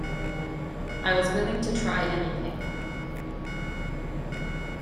I was willing to try anything.